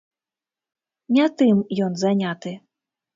Не тым ён заняты.